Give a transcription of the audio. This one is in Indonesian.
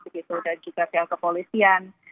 begitu dan juga pihak kepolisian